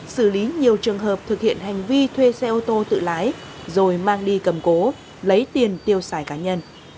xử lý nhiều trường hợp thực hiện hành vi thuê xe ô tô tự lái rồi mang đi cầm cố lấy tiền tiêu xài cá nhân